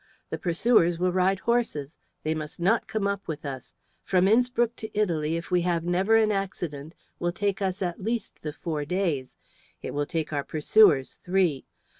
The pursuers will ride horses; they must not come up with us. From Innspruck to Italy, if we have never an accident, will take us at the least four days; it will take our pursuers three.